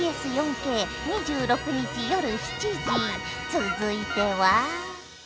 続いては。